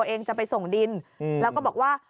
เองจะไปส่งดินแล้วก็บอกว่า